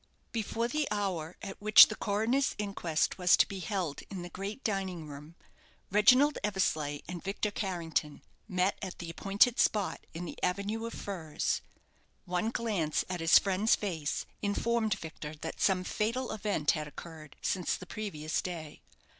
Before the hour at which the coroner's inquest was to be held in the great dining room, Reginald Eversleigh and Victor Carrington met at the appointed spot in the avenue of firs. One glance at his friend's face informed Victor that some fatal event had occurred since the previous day.